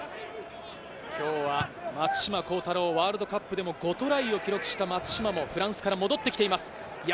今日は松島幸太朗、ワールドカップでも５トライを記録した松島もフランスから戻ってきています。